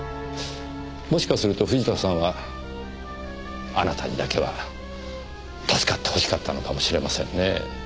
もしかすると藤田さんはあなたにだけは助かってほしかったのかもしれませんねぇ。